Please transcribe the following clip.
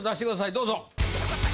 どうぞ！